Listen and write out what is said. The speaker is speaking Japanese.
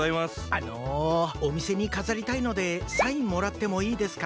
あのおみせにかざりたいのでサインもらってもいいですか？